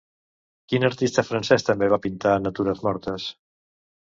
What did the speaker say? Quin artista francès també va pintar natures mortes?